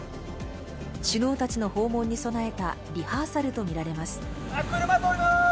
首脳たちの訪問に備えたリハーサルとみられます。